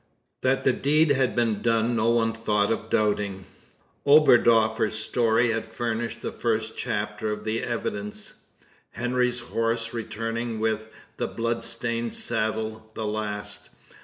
That the deed had been done no one thought of doubting. Oberdoffer's story had furnished the first chapter of the evidence. Henry's horse returning with the blood stained saddle the last.